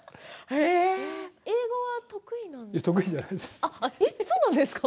英語は得意なんですか？